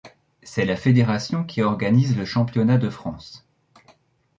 C'est la fédération qui organise le championnat de France.